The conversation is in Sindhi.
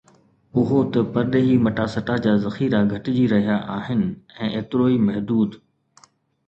اهو ته پرڏيهي مٽاسٽا جا ذخيرا گهٽجي رهيا آهن ۽ ايترو ئي محدود